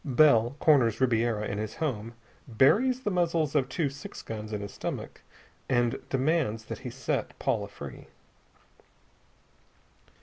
Bell corners Ribiera in his home, buries the muzzles of two six guns in his stomach, and demands that he set Paula free.